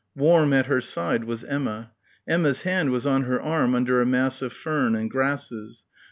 Warm at her side was Emma. Emma's hand was on her arm under a mass of fern and grasses.